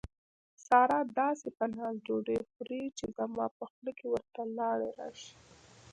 ساره داسې په ناز ډوډۍ خوري، چې زما په خوله کې ورته لاړې راشي.